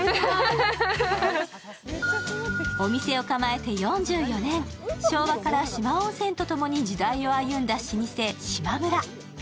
お店を構えて４４年、昭和から四万温泉とともに時代を歩んだ老舗・島村。